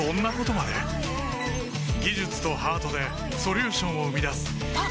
技術とハートでソリューションを生み出すあっ！